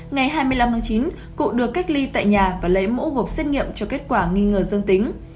ngoài đó ngày hai mươi năm chín cụ được cách ly tại nhà và lấy mẫu gộp xét nghiệm cho kết quả nghi ngờ dương tính